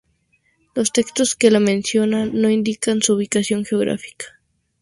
Los textos que la mencionan no indican su ubicación geográfica.